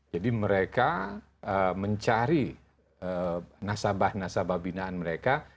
jadi mereka mencari nasabah nasabah binaan mereka